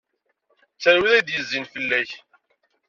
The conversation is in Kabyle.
Tter wid ay d-yezzin fell-ak.